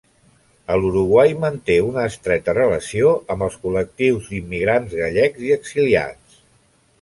A l'Uruguai manté una estreta relació amb els col·lectius d'immigrants gallecs i exiliats.